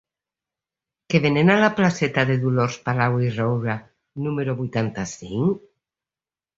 Què venen a la placeta de Dolors Palau i Roura número vuitanta-cinc?